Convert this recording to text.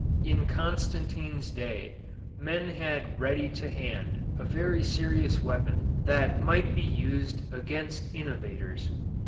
In Constantine's day men had ready to hand a very serious weapon that might be used against innovators.